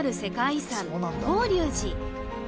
遺産法隆寺